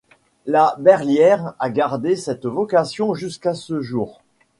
La Berlière a gardé cette vocation jusqu'à ce jour.